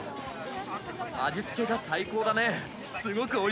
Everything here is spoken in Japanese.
味付けが最高だね。